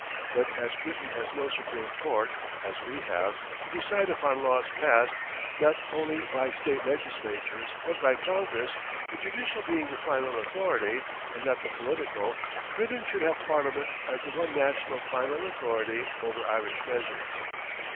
But as Britain has no Supreme Court, as we have, to decide upon laws passed, not only by state legislatures but by Congress, the judicial being the final authority and not the political, Britain should have Parliament as the one national final authority over Irish measures.